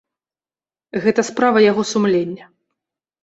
Гэта справа яго сумлення.